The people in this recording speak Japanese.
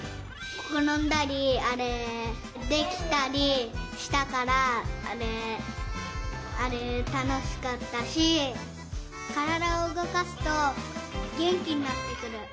ころんだりあれできたりしたからあれあれたのしかったしからだをうごかすとげんきになってくる。